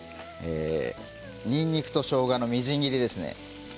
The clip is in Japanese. にんにくとしょうがのみじん切りですね。